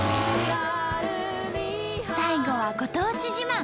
最後はご当地自慢！